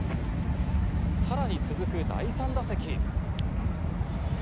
さらに続く第３打席。